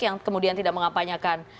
yang kemudian tidak mengapanyakan